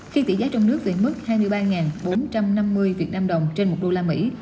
khi tỷ giá trong nước về mức hai mươi ba bốn trăm năm mươi việt nam đồng trên một đô la mỹ